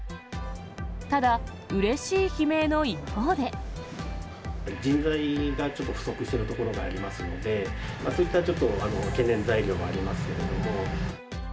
ただ、人材がちょっと不足しているところがありますので、そういったちょっと懸念材料はありますけれども。